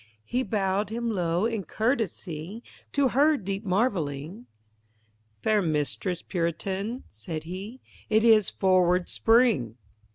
He bowed him low in courtesy, To her deep marvelling; "Fair Mistress Puritan," said he, "It is forward spring."